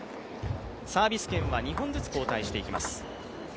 サービス権は２本ずつ交代していきます。